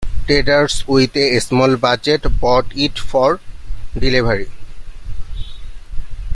Traders with a small budget bought it for delivery.